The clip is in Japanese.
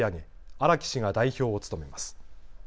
荒木氏が代表を務めます。